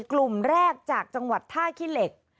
กลุ่มแรกจากจังหวัดท่าขี้เหล็ก